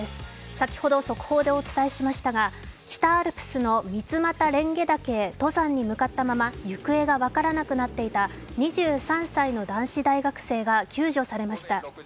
先ほど速報でお伝えしましたが北アルプスの三俣蓮華岳へ登山へ向かったまま行方が分からなくなっていた２３歳の男子大学生が救助されました。